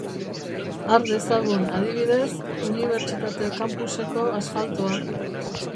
Har dezagun, adibidez, unibertsitate-campuseko asfaltoa.